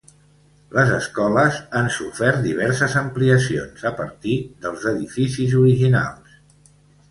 Les escoles han sofert diverses ampliacions, a partir dels edificis originals.